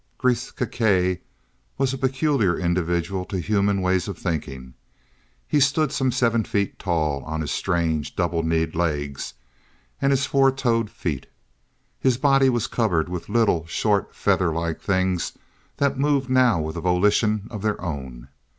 Gresth Gkae was a peculiar individual to human ways of thinking. He stood some seven feet tall, on his strange, double kneed legs and his four toed feet. His body was covered with little, short feather like things that moved now with a volition of their own.